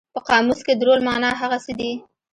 په قاموس کې د رول مانا هغه څه دي.